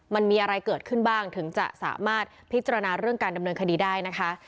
มันมีอะไรเกิดขึ้นบ้างถึงจะสามารถพิจารณาเรื่องการดำเนินคดีได้นะคะ